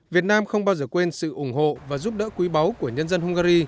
việt nam không bao giờ quên sự ủng hộ và giúp đỡ quý báu của nhân dân hungary